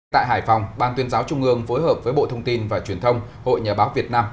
tại hải phòng ban tuyên giáo trung ương phối hợp với bộ thông tin và truyền thông hội nhà báo việt nam